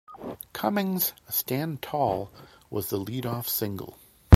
Cummings' "Stand Tall" was the lead-off single.